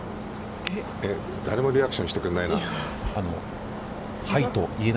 誰もリアクションしてくれないな。